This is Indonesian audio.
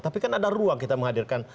tapi kan ada ruang kita menghadirkan